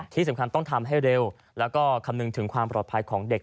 ที่สำคัญต้องทำให้เร็วแล้วก็คำนึงถึงความปลอดภัยของเด็ก